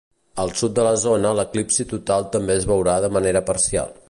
Al sud de la zona d'eclipsi total també es veurà de manera parcial.